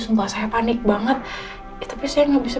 sudah di jakarta ini bukan langsung nemuin saya